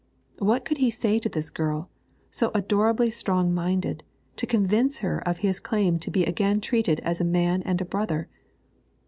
What could he say to this girl, so adorably strong minded, to convince her of his claim to be again treated as a man and a brother?